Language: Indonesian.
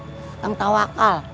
udah tau akal